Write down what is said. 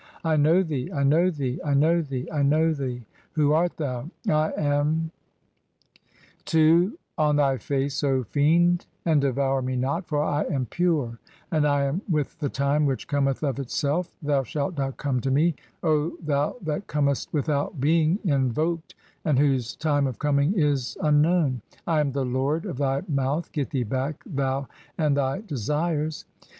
I know thee, "I know thee, I know thee, I know thee. Who art thou? (7) "I am " II. (2) "On thy face, [O fiend], and devour me not, for I am "pure, and I am with the time which cometh of itself. Thou "shalt not come to me, O thou that comest 1 without being in "voked, and whose [time of coming] is unknown. I am the lord "of thy mouth, get thee back (3), thou and thy desires